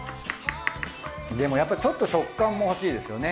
でもやっぱりちょっと食感もほしいですよね。